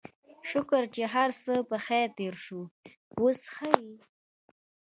شکر چې هرڅه پخير تېر شول، اوس ښه يې؟